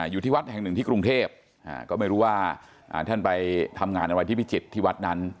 อยู่ที่วัดแห่งหนึ่งที่กรุงเทพก็ไม่รู้ว่าท่านไปทำงานอะไรที่พิจิตรที่วัดนั้น